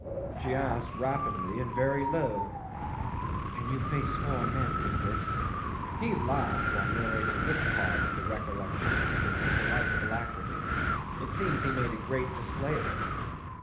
'She asked rapidly and very low, "Can you face four men with this?" He laughed while narrating this part at the recollection of his polite alacrity. It seems he made a great display of it.